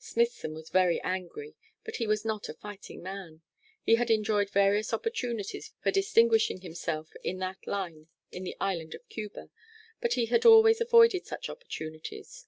Smithson was very angry, but he was not a fighting man. He had enjoyed various opportunities for distinguishing himself in that line in the island of Cuba; but he had always avoided such opportunities.